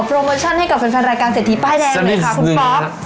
ขอโปรโมชั่นให้กับสุดท้ายรายการเสียทีป้ายแดงไหมคะคุณป๊อบ